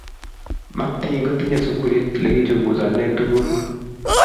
maktin kotinyei sukulisiek lekichunguzane tukun